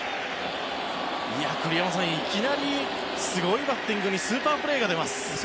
栗山さん、いきなりすごいバッティングにスーパープレーが出ます。